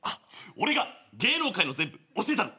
俺が芸能界の全部教えたる！